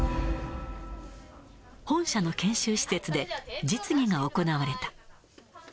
本社の研修施設で実技が行われた。